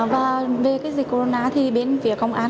và về cái dịch corona thì bên phía công an